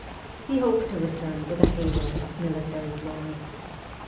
He hoped to return with a halo of military glory.